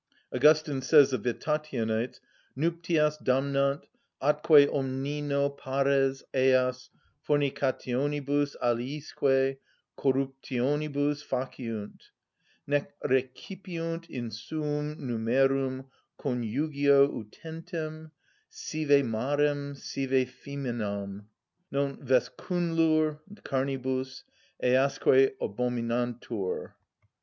Augustine says of the Tatianites: "_Nuptias damnant, atque omnino pares eas fornicationibus aliisque corruptionibus faciunt: nec recipiunt in suum numerum conjugio utentem, sive marem, sive fœminam. Non vescunlur carnibus, easque abominantur.